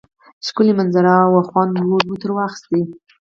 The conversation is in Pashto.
ښکلی منظره وه خوند مو تری واخیست